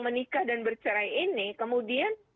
menikah dan bercerai ini kemudian